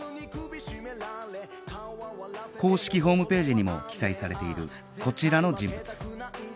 公式ホームページにも記載されているこちらの人物